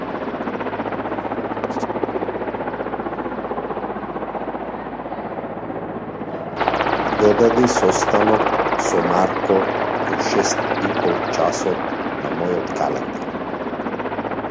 Додади состанок со Марко во шест ипол часот на мојот календар.